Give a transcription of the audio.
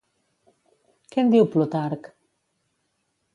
Què en diu Plutarc?